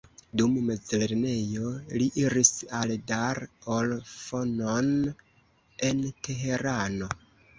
Dum mezlernejo li iris al Dar ol-Fonoon en Teherano.